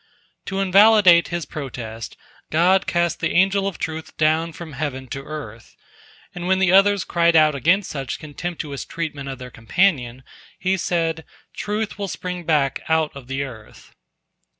To invalidate his protest, God cast the Angel of Truth down from heaven to earth, and when the others cried out against such contemptuous treatment of their companion, He said, "Truth will spring back out of the earth."